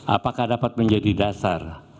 apakah dapat menjadi dasar